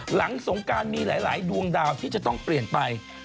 หลังสงการมีหลายดวงดาวที่จะต้องเปลี่ยนไป